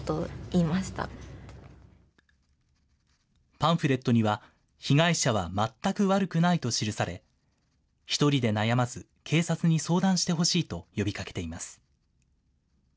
パンフレットには、被害者は全く悪くないと記され、１人で悩まず警察に相談してほしいと呼びかけています。